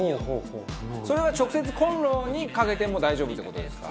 それは直接コンロにかけても大丈夫って事ですか？